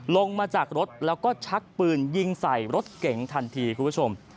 ลงมาจากรถแล้วก็ชักปืนยิงใส่รถเก๋งทันทีคุณผู้ชม